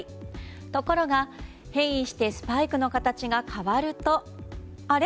ところが、変異してスパイクの形が変わるとあれ？